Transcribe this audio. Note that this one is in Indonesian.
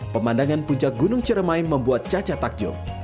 pemandangan puncak gunung ciremai membuat caca takjub